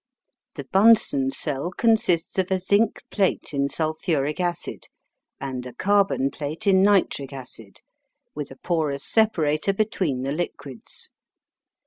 The Bunsen cell consists of a zinc plate in sulphuric acid, and at carbon plate in nitric acid, with a porous separator between the liquids.